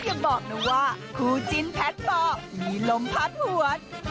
ยังบอกนะว่าคู่จิ้นแพทย์ปอมีลมพัดหวน